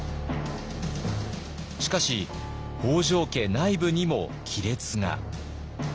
しかし北条家内部にも亀裂が。